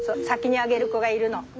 先にあげる子がいるの。